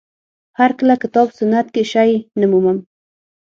هر کله کتاب سنت کې شی نه مومم